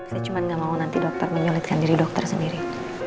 saya cuma nggak mau nanti dokter menyulitkan diri dokter sendiri